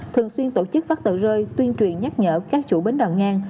thường xuyên tổ chức phát tờ rơi tuyên truyền nhắc nhở các chủ bến đỏ ngang